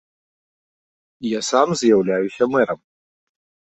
Я сам з'яўляюся мэрам.